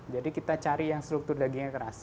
jadi kita cari yang struktur dagingnya keras